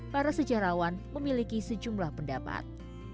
para sejarawan memiliki sejumlah pendapat